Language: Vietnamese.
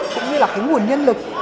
cũng như là cái nguồn nhân lực